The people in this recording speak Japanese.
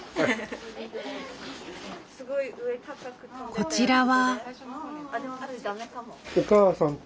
こちらは。